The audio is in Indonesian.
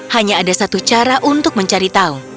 hanya ada satu cara untuk mencari tahu